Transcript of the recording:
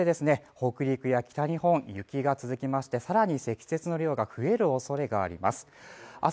北陸や北日本雪が続きまして更に積雪の量が増えるおそれがあります